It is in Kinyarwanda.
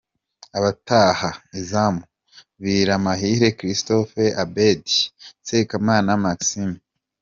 Abataha izamu: Biramahire Christophe Abeddy, Sekamana Maxime.